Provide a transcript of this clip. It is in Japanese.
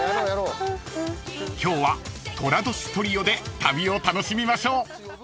［今日は寅年トリオで旅を楽しみましょう］